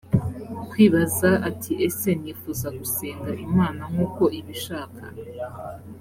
kwibaza ati ese nifuza gusenga imana nk uko ibishaka